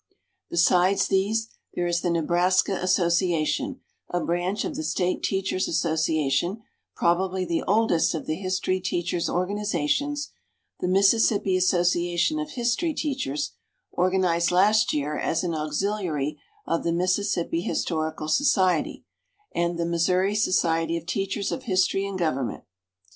Besides these, there is the Nebraska Association, a branch of the State Teachers' Association, probably the oldest of the history teachers' organizations; the Mississippi Association of History Teachers, organized last year as an auxiliary of the Mississippi Historical Society; and the Missouri Society of Teachers of History and Government.